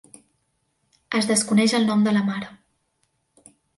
Es desconeix el nom de la mare.